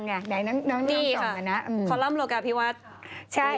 คอลัมโลกาภิวัฏ